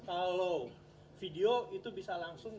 kalau video itu bisa langsung